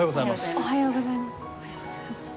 おはようございます。